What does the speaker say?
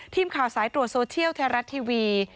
ทีมข่าวสายตรวจโซเชียลไทยรัฐทีวี